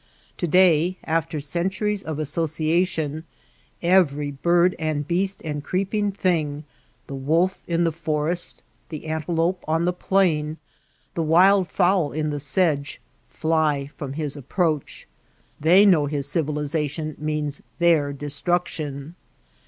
To day, after centuries of association, every bird and beast and creeping thing — the wolf in the forest, the antelope on the plain, the wild fowl in the sedge — fly from his ap proach. They know his civilization means their destruction.